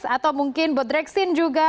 atau mungkin bodrexin juga